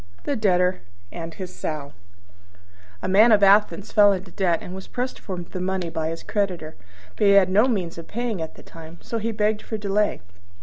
THE DEBTOR AND HIS SOW A Man of Athens fell into debt and was pressed for the money by his creditor; but he had no means of paying at the time, so he begged for delay.